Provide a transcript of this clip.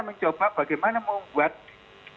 mencoba bagaimana membuat